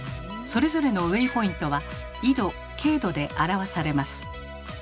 それぞれのウェイポイントは「緯度・経度」で表されます。